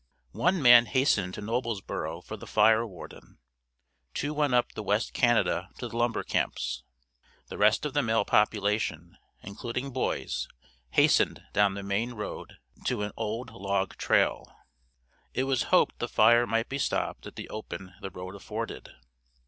One man hastened to Noblesborough for the fire warden, two went up the West Canada to the lumber camps. The rest of the male population, including boys, hastened down the main road to an old log trail. It was hoped the fire might be stopped at the open the road afforded.